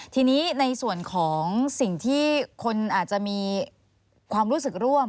ทีนี้ในส่วนของสิ่งที่คนอาจจะมีความรู้สึกร่วม